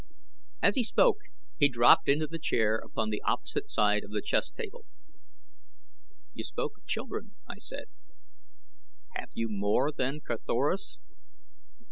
As he spoke he dropped into the chair upon the opposite side of the chess table. "You spoke of children," I said. "Have you more than Carthoris?"